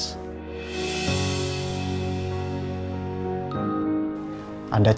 pertanyaan yang terakhir